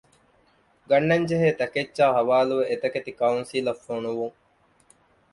ގަންނަންޖެހޭ ތަކެއްޗާއި ޙަވާލުވެ އެތަކެތި ކައުންސިލަށް ފޮނުވުން.